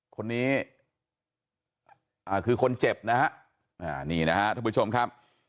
คนนี้คือคนเจ็บนะฮะนี่นะฮะท่านผู้ชมครับ